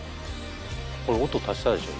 これ音足したでしょ